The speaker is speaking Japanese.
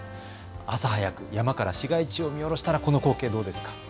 朝早く、山から市街地を見下ろしたらこの光景。